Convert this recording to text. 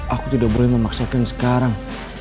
aku tidak boleh memaksakan sekarang